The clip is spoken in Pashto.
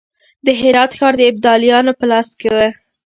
د هرات ښار د ابدالیانو په لاس کې و.